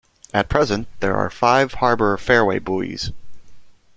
At present, there are five harbour Fairway buoys.